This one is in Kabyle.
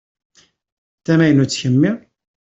D tamaynutt kemmi?